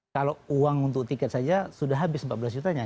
kalau uang untuk tiket saja sudah habis empat belas jutanya